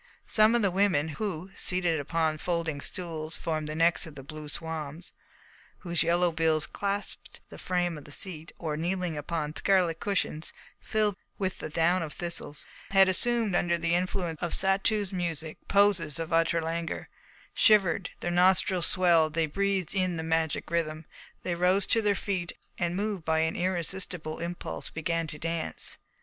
Some of the women, who, seated upon folding stools formed of the necks of blue swans, whose yellow bills clasped the frame of the seat, or kneeling upon scarlet cushions filled with the down of thistles, had assumed under the influence of Satou's music poses of utter languor, shivered; their nostrils swelled; they breathed in the magic rhythm; they rose to their feet, and, moved by an irresistible impulse, began to dance.